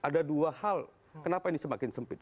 ada dua hal kenapa ini semakin sempit